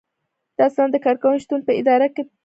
دا سند د کارکوونکي شتون په اداره کې تثبیتوي.